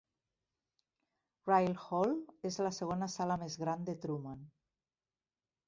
Ryle Hall és la segona sala més gran de Truman.